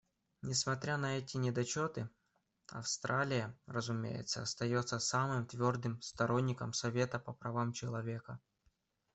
Несмотря на эти недочеты, Австралия, разумеется, остается самым твердым сторонником Совета по правам человека.